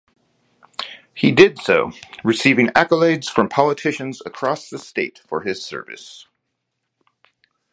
He did so, receiving accolades from politicians across the state for his service.